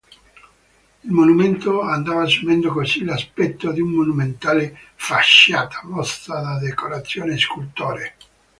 Il monumento andava assumendo così l'aspetto di una monumentale facciata, mossa da decorazioni scultoree.